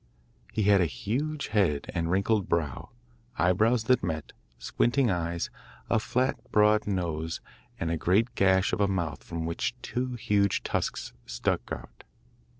He had a huge head and wrinkled brow eyebrows that met, squinting eyes, a flat broad nose, and a great gash of a mouth from which two huge tusks stuck out.